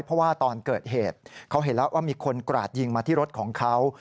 เพราะว่าตอนเกิดเหตุเขาเห็นแล้วว่ามีคนกราดยิงมาที่รถของเขา